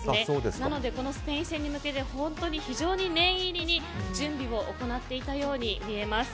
なので、このスペイン戦に向けて本当に非常に念入りに準備を行っていたように見えます。